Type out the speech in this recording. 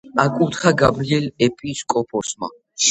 აკურთხა გაბრიელ ეპისკოპოსმა.